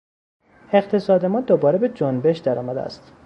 اقتصاد ما دوباره به جنبش در آمده است.